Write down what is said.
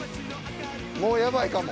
もうヤバいかも。